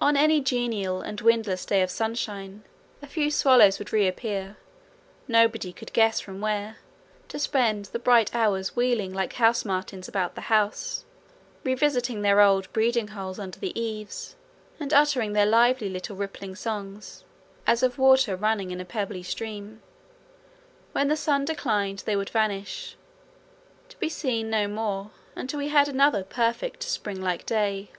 On any genial and windless day of sunshine in winter a few swallows would reappear, nobody could guess from where, to spend the bright hours wheeling like house martins about the house, revisiting their old breeding holes under the eaves, and uttering their lively little rippling songs, as of water running in a pebbly stream. When the sun declined they would vanish, to be seen no more until we had another perfect spring like day.